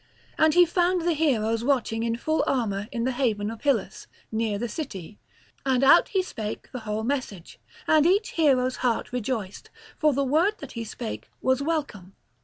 And he found the heroes watching in full armour in the haven of Hyllus, near the city; and out he spake the whole message; and each hero's heart rejoiced; for the word that he spake was welcome.